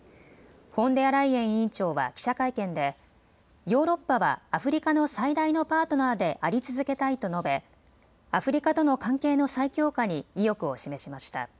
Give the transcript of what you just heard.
フォンデアライエン委員長は記者会見でヨーロッパはアフリカの最大のパートナーであり続けたいと述べアフリカとの関係の再強化に意欲を示しました。